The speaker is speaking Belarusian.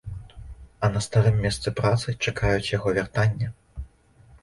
А на старым месцы працы чакаюць яго вяртання.